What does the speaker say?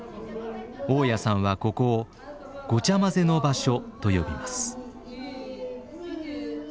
雄谷さんはここを「ごちゃまぜの場所」と呼びます。